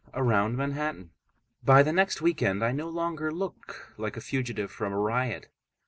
] AROUND MANHATTAN By the next weekend I no longer look like a fugitive from a riot.